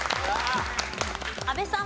阿部さん。